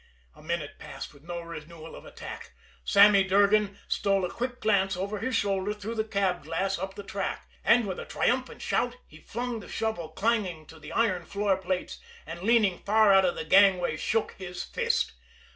A minute passed with no renewal of attack. Sammy Durgan stole a quick glance over his shoulder through the cab glass up the track and, with a triumphant shout, he flung the shovel clanging to the iron floor plates, and, leaning far out of the gangway, shook his fist.